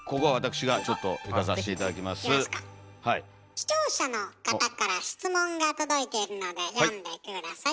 視聴者の方から質問が届いているので読んでください。